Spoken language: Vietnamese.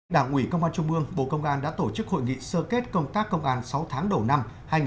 đảng ủy công an trung mương bộ công an đã tổ chức hội nghị sơ kết công tác công an sáu tháng đầu năm hai nghìn hai mươi ba